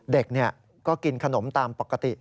เด็กก็กินขนมตามปกติ